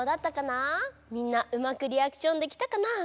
みんなうまくリアクションできたかな？